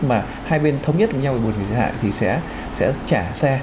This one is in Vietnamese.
mà hai bên thống nhất với nhau về buổi tình hại thì sẽ trả xe